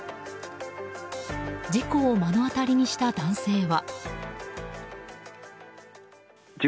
事故を目の当たりにした男性は。